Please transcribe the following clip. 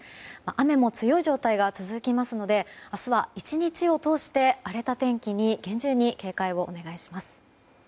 雨も強い状態が続きますので明日は１日を通して荒れた天気に厳重に警戒をお願いします。